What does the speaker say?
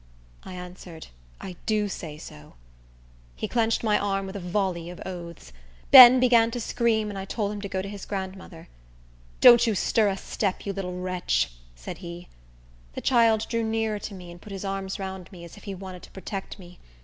I answered, "I do say so." He clinched my arm with a volley of oaths. Ben began to scream, and I told him to go to his grandmother. "Don't you stir a step, you little wretch!" said he. The child drew nearer to me, and put his arms round me, as if he wanted to protect me.